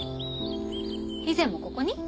以前もここに？